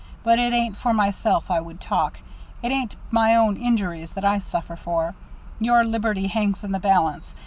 But it ain't for myself I would talk. It ain't my own injuries that I suffer for. Your liberty hangs in the balance.